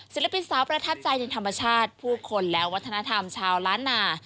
ศิลปินสาวประทับใจในธรรมชาติผู้คนและวัฒนธรรมชาวล้านนา